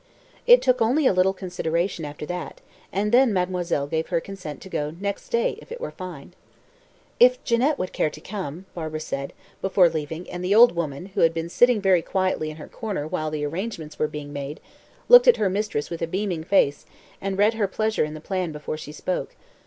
It took only a little consideration after that, and then mademoiselle gave her consent to go next day if it were fine. "If Jeannette would care to come," Barbara said, before leaving; and the old woman, who had been sitting very quietly in her corner while the arrangements were being made, looked at her mistress with a beaming face, and read her pleasure in the plan before she spoke.